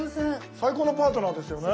最高のパートナーですよね。